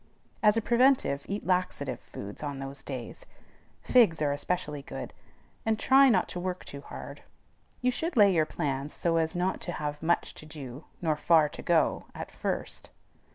As a preventive, eat laxative foods on those days, figs are especially good, and try not to work too hard. You should lay your plans so as not to have much to do nor far to go at first.